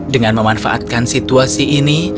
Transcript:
dengan memanfaatkan situasi ini